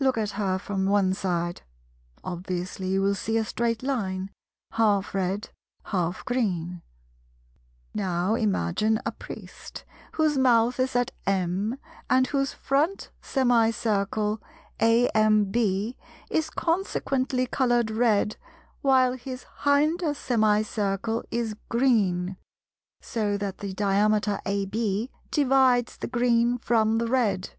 Look at her from one side. Obviously you will see a straight line, half red, half green. Now imagine a Priest, whose mouth is at M, and whose front semicircle (AMB) is consequently coloured red, while his hinder semicircle is green; so that the diameter AB divides the green from the red.